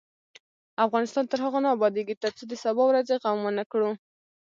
افغانستان تر هغو نه ابادیږي، ترڅو د سبا ورځې غم ونکړو.